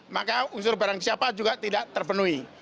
maka unsur barang siapa juga tidak terpenuhi